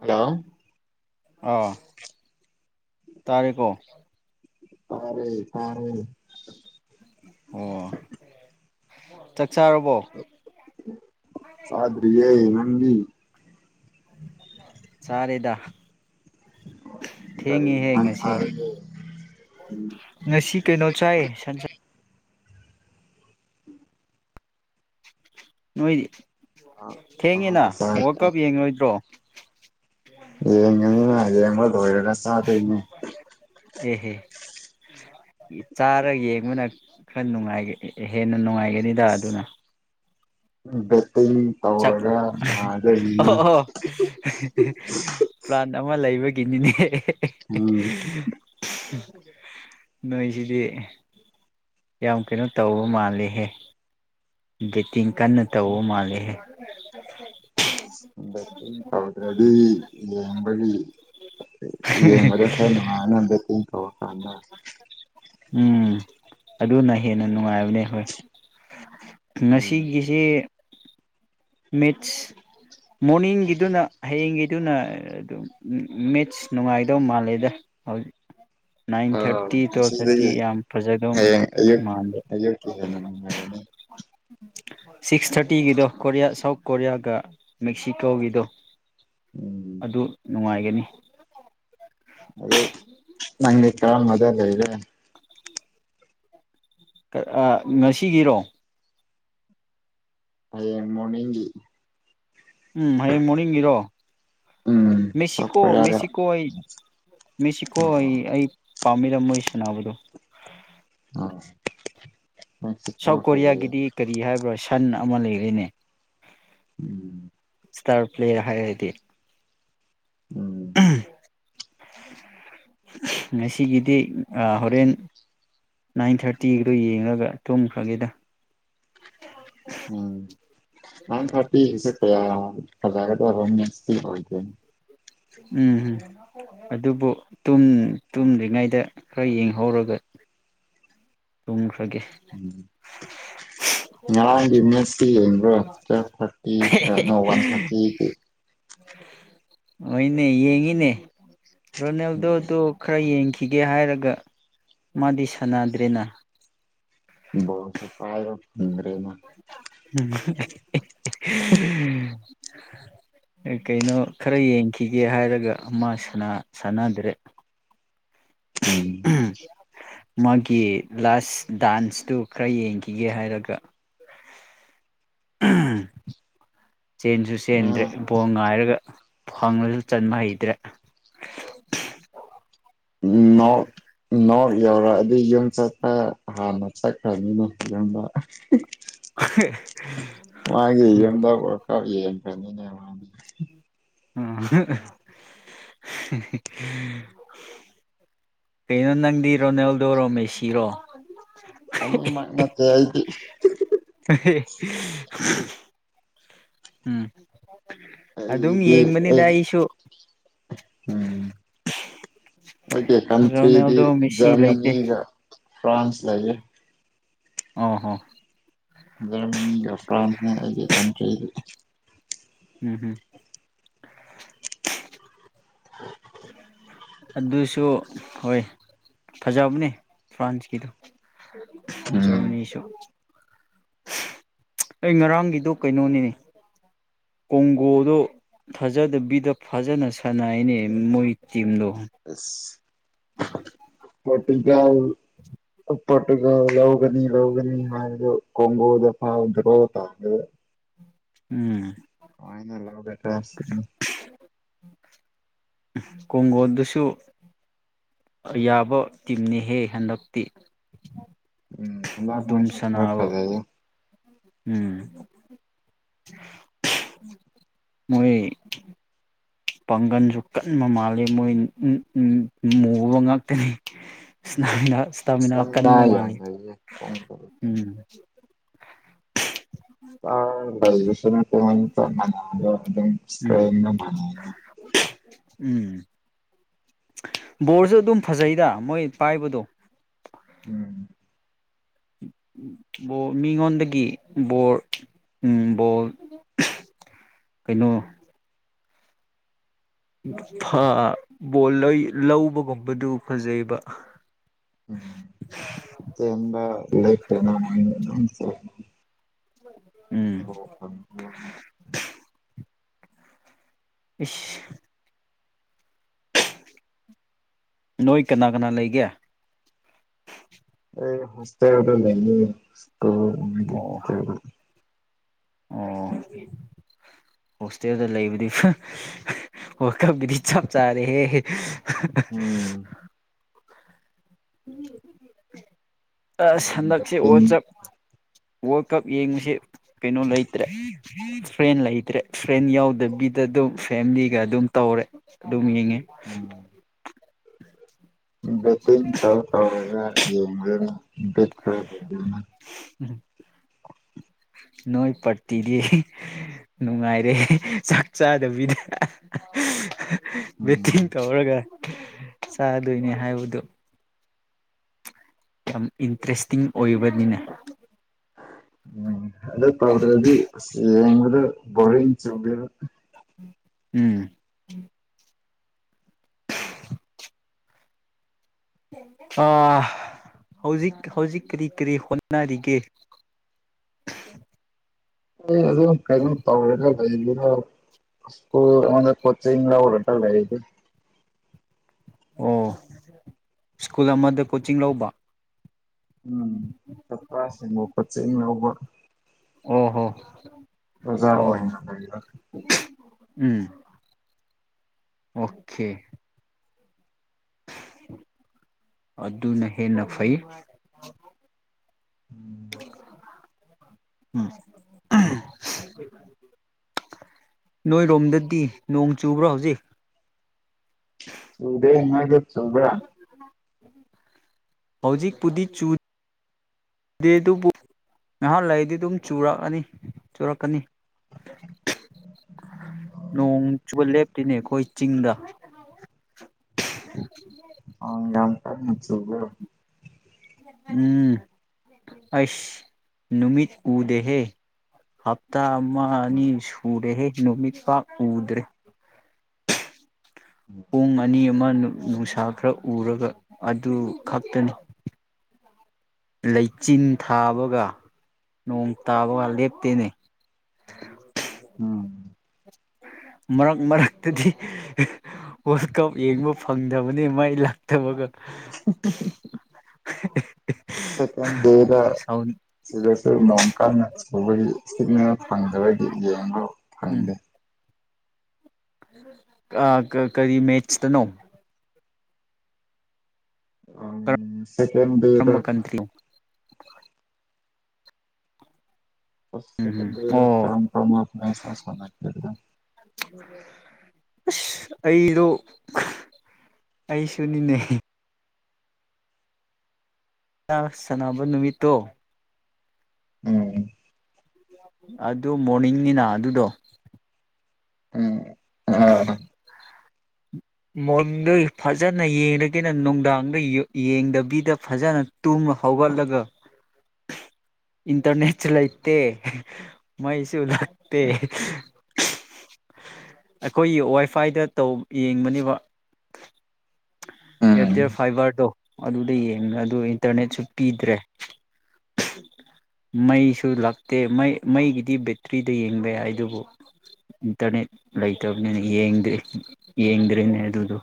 hello ꯑꯥ ꯇꯥꯔꯦꯀꯣ ꯐꯔꯦ ꯐꯔꯦ ꯑꯣ ꯆꯥꯔꯕꯣ ꯁꯥꯔꯤꯦ ꯅꯕꯤ ꯆꯔꯗꯥ ꯀꯔꯤ ꯊꯦꯡꯉꯤ ꯍꯦꯡ ꯏꯟꯖꯥꯡ ꯉꯁꯤ ꯆꯥꯔꯒꯦ ꯉꯁꯤ ꯀꯩꯅꯣ ꯆꯥꯏ ꯁꯟ ꯅꯣꯏꯗꯤ ꯊꯦꯡꯉꯤꯅ ꯑꯍꯥꯎꯕ ꯋꯥꯔ ꯆꯥꯔꯕꯣ ꯀꯞ ꯌꯦꯡꯂꯡꯉꯣꯏꯗ꯭ꯔꯣ ꯔꯤꯝꯕ ꯊꯣꯔꯔ ꯁꯥꯗꯅꯤ ꯑꯦꯍꯦ ꯆꯥꯔ ꯌꯦꯡꯕꯅ ꯈꯔ ꯍꯦꯟꯅ ꯅꯨꯡꯉꯥꯏꯒꯅꯤꯗ ꯑꯗꯨꯅ ꯎ ꯑꯣ ꯄ꯭ꯂꯥꯟ ꯑꯃ ꯂꯩꯕꯒꯤ ꯀꯅꯤꯅꯤꯦ ꯎꯝ ꯅꯣꯏꯁꯤꯗꯤ ꯌꯥꯝ ꯀꯩꯅꯣ ꯇꯧꯕ ꯃꯥꯜꯂꯦꯍꯦ ꯦꯇꯤꯡ ꯀꯟꯅ ꯇꯧꯕ ꯃꯥꯜꯂꯤꯦꯍꯦ ꯑ ꯕꯦꯠꯇꯤꯡ ꯇꯧꯗ꯭ꯔꯗꯤ ꯌꯦꯡꯕꯒꯤ ꯌꯦꯡꯕꯗ ꯈꯔ ꯅꯨꯡꯉꯥꯏꯅ ꯕꯦꯠꯇꯤꯡ ꯇꯧꯔꯀꯥꯟꯗ ꯎꯝ ꯑꯗꯨꯅ ꯍꯦꯟꯅ ꯅꯨꯡꯉꯥꯏꯕꯅꯦ ꯍꯣꯏ ꯎꯝ ꯉꯁꯤꯒꯤꯁꯤꯦ ꯃꯤꯁ ꯃꯣꯔꯅꯤꯡꯤꯡꯒꯤꯗꯨꯅ ꯍꯌꯦꯡꯒꯤ ꯑꯗꯨꯅ ꯑꯗꯨꯝ ꯃꯦꯠꯁ ꯅꯨꯡꯉꯥꯏꯗꯧ ꯃꯥꯜꯂꯦꯗ ꯍꯧꯖꯤꯛ ꯅꯥꯏꯟ ꯑ ꯊꯥꯔꯇꯤ ꯇꯨꯋꯦꯜꯞ ꯉꯁꯤꯗꯤ ꯊꯥꯔꯇꯤ ꯌꯥꯝ ꯐꯖꯗꯧ ꯍꯌꯦꯡ ꯑꯌꯨ ꯃꯥꯟꯗꯦ ꯑꯌꯨꯀꯤꯦꯅ ꯍꯥꯏꯒꯅꯤ ꯁꯤꯛꯁ ꯊꯥꯔꯇꯤꯒꯤꯗꯣ ꯀꯣꯔꯤꯌꯥ ꯁꯥꯎꯠ ꯀꯣꯔꯤꯌꯥꯒ ꯃꯦꯛꯁꯤꯀꯣꯒꯤꯗꯣ ꯎꯝ ꯑꯗꯨ ꯅꯨꯡꯉꯥꯏ ꯅꯤ ꯑꯗ ꯅꯪ ꯀꯥꯜ ꯃꯗ ꯂꯩ ꯏꯔꯦ ꯉꯁꯤꯒꯤꯔꯣ ꯍꯌꯦꯡ ꯃꯣꯔꯅꯤꯡꯒꯤ ꯎꯝ ꯍꯌꯦꯡ ꯃꯣꯔꯅꯤꯡꯒꯤꯔꯣ ꯎꯝ ꯁꯥꯎꯠ ꯃꯦꯁꯤꯀꯣ ꯀꯣꯔꯤꯌꯥꯒ ꯃꯦꯛꯁꯤꯀꯣ ꯍ ꯃꯦꯁꯤꯀꯣ ꯍ ꯑꯣ ꯑꯩ ꯄꯥꯝꯃꯤꯔꯝ ꯃꯣꯏ ꯁꯥꯟꯅꯕꯗꯣ ꯑ ꯁꯥꯎꯠ ꯀꯣꯔꯤꯌꯥꯒꯤꯗꯤ ꯀꯔꯤ ꯍꯥꯏꯕ꯭ꯔꯣ ꯁꯟꯅ ꯑꯃ ꯂꯩꯔꯅꯦ ꯎꯝ ꯏꯁꯇꯥꯔ ꯄ꯭ꯂꯦ ꯍꯥꯏꯔꯗꯤ ꯎꯝ ꯉꯁꯤꯒꯤꯗꯤ ꯍꯣꯔꯦꯟ ꯅꯥꯏꯟ ꯊꯥꯔꯇꯤꯒ꯭ꯔꯣ ꯌꯦꯡꯂꯒ ꯊꯨꯝꯈ꯭ꯔꯒꯦꯗ ꯎꯝ ꯎ ꯅꯥꯟ ꯊꯇꯤ ꯁꯛꯇꯌꯥ ꯍꯖꯔꯦ ꯇꯔꯝ ꯅꯁꯇ ꯎꯝꯝ ꯑꯗꯨꯕꯨ ꯇꯨꯝꯗ꯭ꯔꯤꯉꯩꯗ ꯈꯔ ꯌꯦꯡꯍꯧꯔꯒ ꯇꯨꯡ ꯝ ꯌꯥ ꯁ ꯇꯨꯋ ꯊꯥꯔꯇꯤ ꯋꯥꯟ ꯊꯥꯔꯇꯤ ꯑꯅꯦ ꯌꯦꯡꯉꯤꯅꯦ ꯔꯣꯅꯦꯜꯗꯣ ꯎꯝ ꯇ ꯈꯔ ꯌꯦꯡ ꯊꯤꯒꯦ ꯍꯥꯏꯔꯒ ꯃꯥꯗꯤ ꯁꯥꯟꯅꯗ꯭ꯔꯦꯅ ꯕꯁ ꯄꯥꯔ ꯐ ꯎꯝ ꯎꯝ ꯀꯩꯅꯣ ꯈꯔ ꯌꯦꯡꯈꯤꯒꯦ ꯍꯥꯏꯔꯒ ꯑꯃ ꯁꯥꯟꯅꯗ꯭ꯔꯦ ꯎꯝ ꯃꯥꯒꯤ ꯂꯥꯁ ꯗꯥꯟꯁꯇꯨ ꯈꯔ ꯌꯦꯡꯈꯤꯒꯦ ꯍꯥꯏꯔꯒ [unintelligible] ꯆꯦꯟꯁꯨ ꯆꯦꯟꯗ꯭ꯔꯦ ꯑꯥ ꯕꯣ ꯉꯥꯏꯔꯒ ꯐꯪꯉꯁꯨ ꯆꯟꯕ ꯍꯩꯇ꯭ꯔꯦ ꯅ ꯅꯣꯔꯠ ꯌꯧꯔꯛꯑꯗꯤ ꯌꯨꯝ ꯆꯠꯄ ꯍꯥꯟꯅ ꯆꯠꯈ꯭ꯔꯅꯤꯅ ꯌꯨꯝꯗ ꯃꯥꯒꯤꯗ ꯀ ꯀꯅꯤꯅꯦꯅꯤ ꯎꯝ ꯀꯩꯅꯣ ꯅꯪꯗꯤ ꯔꯣꯅꯥꯜꯗꯔꯣ ꯃꯦꯁꯤꯔꯣ ꯑꯅꯤ ꯃꯥ ꯅꯠꯇꯦ ꯍꯥꯏꯗꯤ [unintelligible] ꯎꯝ ꯑꯗꯨꯝ ꯑꯩꯗꯤ ꯌꯦꯡꯕꯅꯤꯗ ꯑꯩ ꯑꯩꯁꯨ ꯎꯝ ꯑꯩꯒꯤ ꯀꯟꯇ꯭ꯔꯤꯗꯤ ꯔꯣꯅꯦꯜꯗꯣ ꯃꯦꯁꯤ ꯂꯩꯇꯦ ꯖꯔꯃꯅꯤꯒ ꯐ꯭ꯔꯥꯟꯁ ꯂꯩꯌꯦ ꯑ ꯍꯣ ꯖꯔꯃꯅꯤꯒ ꯐ꯭ꯔꯥꯟꯁꯒꯤ ꯀꯟꯇ꯭ꯔꯤ ꯎꯝ ꯍꯝ [inaudible] ꯑꯗꯨꯁꯨ ꯍꯣꯏ ꯐꯖꯕꯅꯦ ꯐ꯭ꯔꯥꯟꯁꯀꯤꯗꯣ ꯎꯝ ꯖꯔꯃꯅꯤꯁꯨ ꯑꯩ ꯉꯔꯥꯡꯒꯤꯗꯣ ꯀꯩꯅꯣꯅꯤꯅꯦ ꯀꯣꯡꯒꯣꯗꯣ ꯊꯥꯖꯗꯕꯤꯗ ꯐꯖꯅ ꯁꯥꯟꯅꯩꯅꯦ ꯃꯣꯏ ꯁꯤꯝꯗꯣ ꯎꯝ ꯍꯣꯇ ꯌꯥꯎ ꯄꯒ ꯌꯧꯒꯅꯤ ꯂꯧꯒꯅꯤ ꯍꯥꯏꯗꯨ ꯀꯒꯣꯗ ꯄ꯭ꯔꯣ ꯇ ꯎꯝ ꯀꯥꯏꯅ ꯂꯧꯦꯠꯇ꯭ꯔꯅꯤ ꯀꯣꯡꯒꯣꯜꯗꯨꯁꯨ ꯌꯥꯕ ꯇꯤꯝꯅꯤꯍꯦ ꯍꯟꯗꯛꯇꯤ ꯎꯝ ꯑꯗꯨꯝ ꯑꯗ ꯈꯔ ꯁꯥꯟꯅꯕ ꯈꯖ ꯎꯝ ꯃꯣꯏ ꯄꯥꯡꯒꯜꯁꯨ ꯀꯟꯕ ꯃꯥꯜꯂꯤ ꯃꯣꯏ ꯃꯨꯕ ꯉꯥꯛꯇꯅꯤ ꯁ ꯁꯅ ꯌꯥꯎꯒ ꯀꯣꯟꯣ ꯎꯝ ꯑ ꯭ꯔꯖꯁꯟ ꯀ ꯑꯗꯨ ꯎꯝ ꯁꯇ꯭ꯔꯣ ꯎꯝ ꯕꯣꯔꯁꯨ ꯑꯗꯨꯝ ꯐꯖꯩꯗ ꯃꯣꯏ ꯄꯥꯏꯕꯗꯣ ꯎꯝ ꯃꯤꯉꯣꯟꯗꯒꯤ ꯕꯣꯔ ꯕꯣꯜ ꯀꯩꯅꯣ ꯕꯣꯜ ꯂꯧꯕꯒꯨꯝꯕꯗꯨ ꯐꯖꯩꯕ ꯎꯝ ꯇꯕ ꯐꯅꯥ ꯎꯝ ꯎꯝ ꯏ ꯅꯣꯏꯣꯏ ꯀꯅꯥ ꯀꯅꯥ ꯂꯩꯒꯦ ꯍꯁꯦ ꯑꯣꯏꯔ ꯂꯩ ꯑ ꯑꯣ ꯑꯣ ꯍꯣꯁꯇꯦꯜꯗ ꯂꯩꯕꯨꯗꯤ ꯋꯥꯀꯕꯨꯗꯤ ꯆꯞ ꯆꯥꯔꯦꯍꯦ [inaudible] ꯎꯝ ꯑ ꯁꯟꯗꯛꯁꯤ ꯕꯦꯠꯇꯤꯡ ꯑꯣꯆꯞ ꯋꯥꯔꯜ ꯀꯞ ꯌꯦꯡꯕꯁ ꯀꯩꯅꯣ ꯂꯩꯇ꯭ꯔꯦ ꯐ꯭ꯔꯦꯟ ꯂꯩꯇ꯭ꯔꯦ ꯐ꯭ꯔꯦꯟ ꯌꯥꯎꯗꯕꯤꯗ ꯑꯗꯨꯝ ꯐꯦꯃꯤꯂꯤꯒ ꯑꯗꯨꯝ ꯇꯧꯔꯦ ꯑꯗꯨꯝ ꯌꯦꯡꯉꯤ [unintelligible] ꯠꯇ ꯇꯧ ꯇꯧꯔꯒ ꯌ ꯈꯔ ꯑꯣꯏ ꯎꯝ ꯅꯣꯏ ꯄꯔꯇꯤꯗꯤ ꯅꯨꯡꯉꯥꯏꯔꯦ ꯆꯥꯛ ꯆꯥꯗꯕꯤꯗ ꯎꯝ ꯃꯠꯇꯤꯟ ꯇ ꯑꯣꯔꯒ ꯆꯥꯗꯣꯏꯅꯦ ꯍꯥꯏꯕꯗꯨꯣ ꯌꯥꯝ ꯏꯟꯇꯔꯦꯁꯇꯤꯡ ꯑꯣꯏꯕꯅꯤꯅꯦ ꯎꯝ ꯑꯗꯨ ꯗꯤ ꯑꯗꯨ ꯔ ꯆꯕꯤꯔ ꯎꯝ ꯑ ꯍꯧꯖꯤꯛ ꯍꯧꯖꯤꯛ ꯀꯔꯤ ꯀꯔꯤ ꯍꯣꯠꯅꯔꯤꯒꯦ ꯑꯗꯨ ꯀꯩ ꯇꯧꯔꯣ ꯁꯀꯨꯜ ꯀꯣꯆ ꯂ ꯑꯣꯔꯇ ꯂꯩꯗꯤ ꯑꯣ ꯁ꯭ꯀꯨꯜ ꯑꯃꯗ ꯀꯣꯆꯤꯡ ꯂꯧꯕ ꯎꯝ ꯆꯄꯁꯤꯡꯕ ꯀꯠꯆꯤꯡ ꯂꯧꯕ ꯑꯣ ꯍꯣ ꯑꯣꯖꯥ ꯑꯣ ꯍꯣ ꯑꯣꯏꯅ ꯂꯩꯕ ꯎꯝ ꯑꯣꯀꯦ ꯑꯅꯍꯦ ꯅ ꯐꯩ ꯎꯝ ꯎ ꯅꯣꯏꯔꯣꯝꯗꯗꯤ ꯅꯣꯡ ꯆꯨꯕ꯭ꯔꯣ ꯍꯧꯖꯤꯛ ꯍꯗꯦ ꯁꯕ꯭ꯔ ꯍꯧꯖꯤꯛꯄꯨꯗꯤ ꯆꯨ ꯑꯗꯨꯕꯨ ꯉꯥꯏꯍꯥꯛ ꯂꯩꯗꯤ ꯑꯗꯨꯝ ꯆꯨꯔꯛꯑꯅꯤ ꯆꯨꯔꯛꯀꯅꯤ ꯅꯣꯡ ꯆꯨꯕ ꯂꯦꯞꯇꯣꯏꯅꯦ ꯑꯩꯈꯣꯏ ꯆꯤꯡꯗ ꯑ ꯉꯝ ꯀ ꯆꯒ ꯎꯝ ꯑꯩꯁ ꯅꯨꯃꯤꯠ ꯎꯗꯦꯍꯦ ꯍꯞꯇꯥ ꯑꯃ ꯑꯅꯤ ꯁꯨꯔꯦꯍꯦ ꯅꯨꯃꯤꯠ ꯄꯥꯛ ꯎꯗ꯭ꯔꯦ ꯄꯣꯡ ꯑꯅꯤ ꯑꯃ ꯅꯨꯡꯁꯥ ꯈꯔ ꯎꯔꯒ ꯑꯗꯨ ꯈꯛꯇꯅꯤ ꯂꯩꯆꯤꯟ ꯊꯥꯕꯒ ꯅꯣꯡ ꯇꯥꯕꯒ ꯂꯦꯞꯇꯦꯅꯤ ꯎꯝ ꯃꯔꯛ ꯃꯔꯛꯇꯗꯤ ꯋꯥꯔꯜ ꯀꯞ ꯌꯦꯡꯕ ꯐꯪꯗꯕꯅꯤ ꯃꯥꯏ ꯂꯥꯛꯇꯕꯒ ꯎ [unintelligible] ꯁꯦꯀꯦꯟ ꯗꯦꯗ ꯁꯥꯎꯟ ꯁꯤꯗꯁꯨ ꯅꯡ ꯀꯟꯅ ꯁꯨꯧꯕꯒꯤ ꯁꯤꯛꯅꯦꯜ ꯐꯪꯗꯕꯒꯤ ꯌꯦꯡꯕ ꯎꯝ ꯐꯪꯗꯦ ꯀꯔꯤ ꯃꯦꯆꯇ ꯅꯣ ꯎꯝ ꯁꯀꯗꯗ ꯀꯔꯝꯕ ꯀꯟꯇ꯭ꯔꯤꯅꯣ ꯎꯝ ꯎꯝ ꯑꯣ ꯀꯝ ꯀ ꯑꯁ ꯑꯩꯗꯣ ꯑꯩꯁꯨꯅꯤꯅꯦ ꯁꯥꯟꯅꯕ ꯅꯨꯃꯤꯠꯇꯣ ꯎꯝ ꯑꯗꯨ ꯃꯣꯔꯅꯤꯡꯅꯤꯅ ꯑꯗꯨꯗꯣ ꯎꯝ ꯑꯥ ꯃ ꯐꯖꯅ ꯌꯦꯡꯉꯒꯅ ꯅꯨꯡꯗꯥꯡꯗ ꯌꯦꯡꯗꯕꯤꯗ ꯐꯖꯅ ꯇꯨꯝꯅ ꯍꯧꯒꯠꯂꯒ ꯏꯟꯇꯔꯅꯦꯠꯁꯨ ꯂꯩꯇꯦ ꯃꯩꯁꯨ ꯂꯛꯇꯦ ꯑꯩꯈꯣꯏꯒꯤ ꯋꯥꯏꯐꯥꯏꯗꯧ ꯌꯦꯡꯕꯅꯤ ꯋꯥ ꯑꯦ ꯎꯝ ꯐꯥꯏꯕꯔ ꯑꯗꯣ ꯑꯗꯨꯗꯡ ꯑꯗꯨ ꯏꯟꯇꯔꯅꯦꯠꯁꯨ ꯄꯤꯗ꯭ꯔꯦ ꯃꯩꯁꯨ ꯂꯥꯛꯇꯦ ꯃꯩ ꯃꯩꯒꯤꯗꯤ ꯕꯦꯇ꯭ꯔꯤꯗ ꯌꯦꯡꯕ ꯌꯥꯏ ꯑꯗꯨꯕꯨ ꯏꯟꯇꯔꯅꯦꯠ ꯂꯩꯇꯕꯅꯤꯅꯡꯗ꯭ꯔꯤ ꯌꯦꯡꯗ꯭ꯔꯤꯅꯦ ꯑꯗꯨꯗꯣ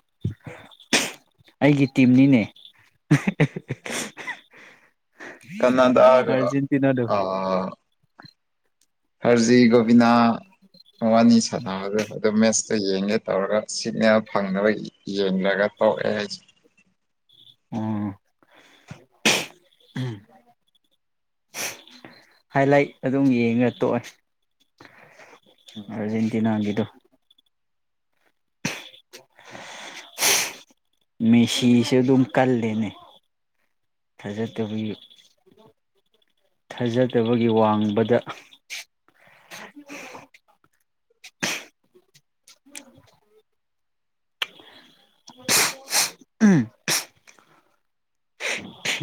ꯑꯩꯒꯤ ꯇꯤꯝꯅꯤꯅꯦ ꯀꯅꯥꯗꯒ ꯑꯥꯔꯖꯦꯟꯇꯤꯅꯥꯗꯣ ꯑ ꯍꯔꯖꯤ ꯣꯕꯤꯅꯥ ꯅꯤ ꯁꯥꯟꯅꯕꯗꯨ ꯑꯗꯨꯝ ꯃꯦꯠꯁꯇꯣ ꯌꯦꯡꯒꯦ ꯇꯧꯔꯒ ꯁꯤꯒꯅꯦꯜ ꯐꯪꯅꯕ ꯌꯦꯡꯂꯒ ꯇꯑꯦ ꯍꯥꯏꯁꯦ ꯎ ꯍꯥꯏ ꯂꯥꯏꯠ ꯑꯗꯨꯝ ꯌꯦꯡꯉ ꯇꯣꯛꯑꯦ ꯎꯝ ꯑꯔꯖꯦꯟꯇꯤꯅꯥ ꯍꯥꯏꯒꯗꯣ [unintelligible] ꯃꯦꯁꯤꯁꯨ ꯑꯗꯨꯝ ꯀꯜꯂꯦꯅꯦ ꯊꯥꯖꯗꯕꯒꯤ ꯊꯥꯖꯗꯕꯒꯤ ꯋꯥꯡꯕꯗ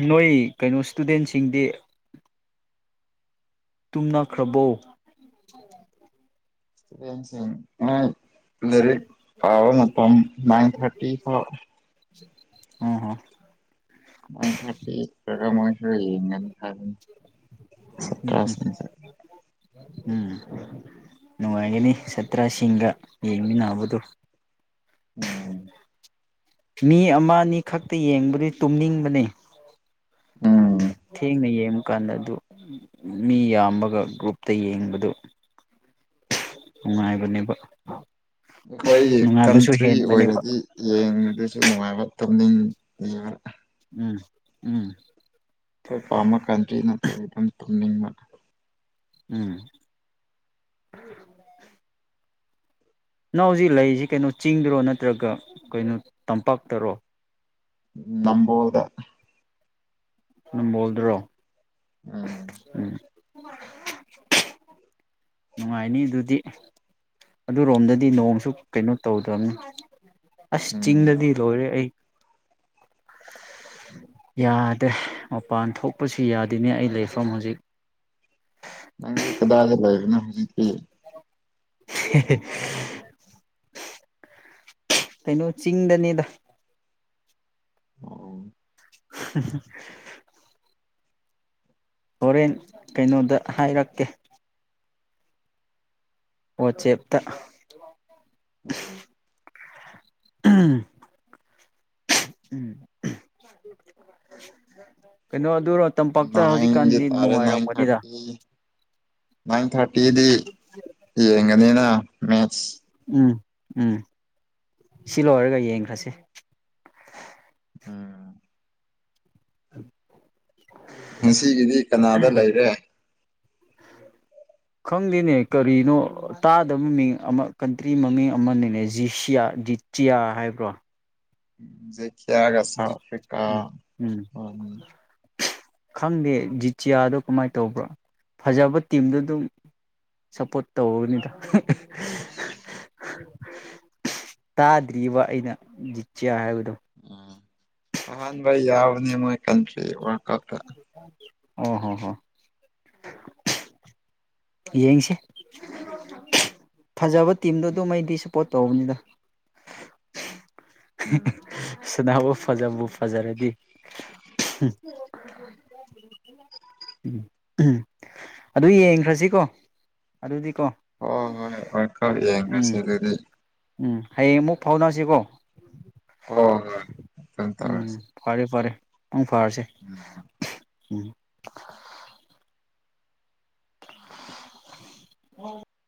ꯅꯣꯏ ꯀꯩꯅꯣ ꯏꯁꯇꯨꯗꯦꯟꯁꯤꯡꯗꯤ ꯇꯨꯝꯅꯈ꯭ꯔꯕꯣ ꯂꯥꯏꯔꯤꯛ ꯄꯥꯕ ꯃꯇꯝ ꯅꯥꯏꯟ ꯊꯥꯔꯇꯤ ꯐꯥꯎ ꯑ ꯍꯣ ꯅ ꯊꯔꯇꯤꯔꯝ ꯃꯁꯅꯤ ꯁꯠꯇꯅꯦ ꯎꯝ ꯎꯝ ꯅꯨꯡꯉꯥꯏꯒꯅꯤ ꯁꯥꯇ꯭ꯔꯁꯤꯡꯒ ꯌꯦꯡꯃꯤꯟꯅꯕꯗꯨ ꯎꯝ ꯃꯤ ꯑꯃ ꯑꯅꯤ ꯈꯛꯇ ꯌꯦꯡꯕꯗꯨ ꯇꯨꯝꯅꯤꯡꯕꯅꯤ ꯎꯝ ꯊ ꯅꯌꯦ ꯀꯥꯟꯗ ꯑꯗꯨ ꯃꯤ ꯌꯥꯝꯃꯒ ꯒ꯭ꯔꯨꯞꯇ ꯌꯦꯡꯕꯗꯨ ꯅꯨꯡꯉꯥꯏꯕꯅꯤꯕꯣ ꯑꯩꯈꯣꯏ ꯀꯟꯇ꯭ꯔꯤ ꯑꯣꯏꯔꯗꯤ ꯌꯦꯡꯕꯗꯨꯁꯨ ꯅꯨꯡꯉꯥꯏꯕ ꯇꯅꯤꯡ ꯎꯝ ꯎꯝ ꯍꯣꯏ ꯄꯥꯝꯃ ꯀꯥꯟꯗ ꯅꯠꯇꯦ ꯑꯗꯨꯝ ꯇꯨꯝꯅꯤꯡꯕ ꯎꯝ ꯅꯪ ꯍꯧꯖꯤꯛ ꯂꯩꯔꯤꯁꯤ ꯀꯩꯅꯣ ꯆꯤꯡꯗꯨꯔꯣ ꯅꯠꯇ꯭ꯔꯒ ꯀꯩꯅꯣ ꯇꯝꯄꯥꯛꯇꯔꯣ ꯅꯝꯕꯣꯜꯗ ꯅꯝꯕꯣꯜꯗ꯭ꯔꯣ ꯎꯝ ꯎꯝ [inaudible] ꯅꯨꯡꯉꯥꯏꯅꯤ ꯑꯗꯨꯗꯤ ꯑꯗꯨꯔꯣꯝꯗꯗꯤ ꯅꯣꯡꯁꯨ ꯀꯩꯅꯣ ꯇꯧꯗꯕꯅꯤ ꯑꯁ ꯎꯝ ꯆꯤꯡꯗꯗꯤ ꯂꯣꯏꯔꯦ ꯑꯩ ꯌꯥꯗꯦ ꯃꯄꯥꯟ ꯊꯣꯛꯄꯁꯨ ꯌꯥꯗꯦꯅꯦ ꯑꯩ ꯂꯩꯐꯝ ꯍꯧꯖꯤꯛ ꯅꯪꯗꯤ ꯀꯗꯥꯏ ꯂꯩꯕ ꯅꯪ ꯍꯧꯖꯤꯛꯇꯤ [inaudible] ꯀꯩꯅꯣ ꯆꯤꯡꯗꯅꯦꯗ ꯑ [inaudible] ꯍꯣꯔꯦꯟ ꯀꯩꯅꯣꯗ ꯍꯥꯏꯔꯛꯀꯦ ꯋꯥꯆꯦꯞꯇ ꯍ ꯎꯝ ꯎꯝ ꯀꯩꯅꯣ ꯑꯗꯨꯔꯣ ꯇꯝꯄꯥꯛꯇ ꯅꯥꯏꯟꯒꯤ ꯍꯧꯖꯤꯛꯀꯥꯟꯗꯤ ꯇꯥꯔꯦ ꯅꯥꯏꯟ ꯅꯨꯡꯉꯥꯏꯔꯝꯒꯅꯤꯗ ꯊꯥꯔꯇꯤ ꯅꯥꯏꯟ ꯊꯥꯔꯇꯤꯗꯤ ꯌꯦꯡꯒꯅꯤꯅ ꯃꯦꯠꯁ ꯎꯝ ꯎꯝ ꯁꯤ ꯂꯣꯏꯔꯒ ꯌꯦꯡꯈ꯭ꯔꯁꯤ ꯎꯝ ꯉꯁꯤꯒꯤꯗꯤ ꯀꯅꯥꯗ ꯂꯩꯔꯦ ꯈꯪꯗꯦꯅꯦ ꯀꯔꯤꯅꯣ ꯇꯥꯗꯕ ꯃꯃꯤꯡ ꯑꯃ ꯀꯟꯇ꯭ꯔꯤ ꯃꯃꯤꯡ ꯑꯃꯅꯤꯅꯦ ꯖꯤꯁꯤꯌꯥ ꯖꯤꯇꯤꯌꯥ ꯍꯥꯏꯕ꯭ꯔꯣ ꯖꯩ ꯌꯥꯒ ꯁꯥꯎꯠ ꯑꯐ꯭ꯔꯤꯀꯥ ꯎꯝ ꯎꯝ ꯎ ꯈꯪꯗꯦ ꯖꯤꯇꯤꯌꯥꯗꯣ ꯀꯃꯥꯏꯅ ꯇꯧꯕ꯭ꯔꯥ ꯐꯖꯕ ꯇꯤꯝꯗꯨ ꯑꯗꯨꯝ ꯁꯞꯄꯣꯔꯠ ꯇꯧꯕꯅꯤꯗ ꯇꯥꯗ꯭ꯔꯤꯕ ꯑꯩꯅ ꯖꯤꯆꯤꯌꯥ ꯍꯥꯏꯕꯗꯣ ꯎꯝ ꯑꯍꯥꯟꯕ ꯌꯥꯎꯕꯅꯦ ꯃꯣꯏ ꯀꯟꯇꯔꯤꯗꯣ ꯀ ꯀ ꯑꯣ ꯍꯣ ꯍꯣ ꯌꯦꯡꯁꯤ ꯐꯖꯕ ꯇꯤꯝꯗꯣ ꯎꯝ ꯃꯣꯏꯗꯤ ꯁꯄꯣꯠ ꯇꯧꯕꯅꯤꯗ [inaudible] ꯁꯅꯥꯕꯨ ꯐꯖꯕꯨ ꯐꯖꯔꯗꯤ ꯎꯝ ꯎꯝ ꯑꯗꯨ ꯌꯦꯡꯈ꯭ꯔꯁꯤꯀꯣ ꯑꯗꯨꯗꯤ ꯍꯣꯏ ꯍꯣꯏ ꯍꯣꯏ ꯈꯔ ꯎꯝ ꯌꯦꯡꯈꯔꯁꯤ ꯑꯗꯨꯗꯤ ꯎꯝ ꯍꯌꯦꯡ ꯑꯃꯨꯛ ꯐꯥꯎꯅꯔꯁꯤꯀꯣ ꯍꯣꯏ ꯍꯣꯏ ꯑꯗꯨꯝ ꯎꯝ ꯇꯧꯔꯁꯤ ꯐꯔꯦ ꯐꯔꯦ ꯄꯨꯡ ꯐꯥꯔꯁꯦ ꯎꯝ ꯎꯝ [inaudible]